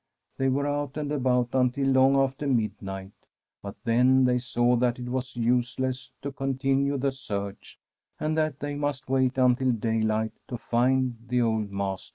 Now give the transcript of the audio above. They were out and about until long after midnight, but then they saw that it was useless to continue the search, and that they must wait until daylight to find the old man.